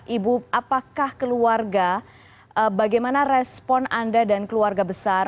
ibu apakah keluarga bagaimana respon anda dan keluarga besar